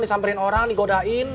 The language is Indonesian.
disamperin orang digodain